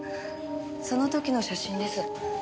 その時の写真です。